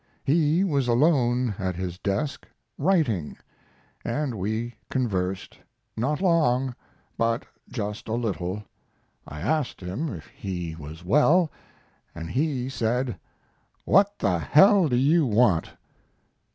He was alone at his desk, writing, and we conversed not long, but just a little. I asked him if he was well, and he said, 'What the hell do you want?'